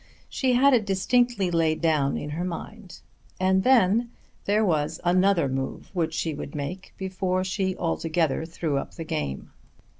She had it distinctly laid down in her mind. And then there was another move which she would make before she altogether threw up the game.